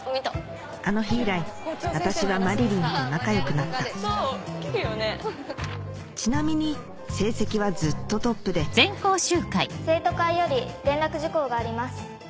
あの日以来私はまりりんと仲良くなったちなみに成績はずっとトップで生徒会より連絡事項があります。